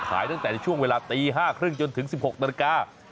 ขายตั้งแต่ในช่วงเวลาตี๕๓๐จนถึง๑๖นาฬิกา